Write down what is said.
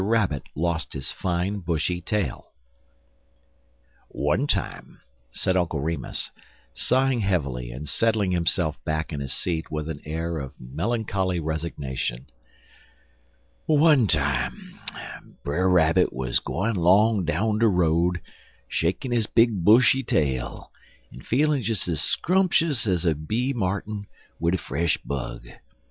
RABBIT LOST HIS FINE BUSHY TAIL "ONE time," said Uncle Remus, sighing heavily and settling himself back in his seat with an air of melancholy resignation "one time Brer Rabbit wuz gwine 'long down de road shakin' his big bushy tail, en feelin' des ez scrumpshus ez a bee martin wid a fresh bug."